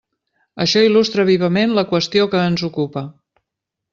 Això il·lustra vivament la qüestió que ens ocupa.